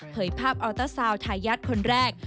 เผยภาพอัลต้าซาวทายัดคนแรก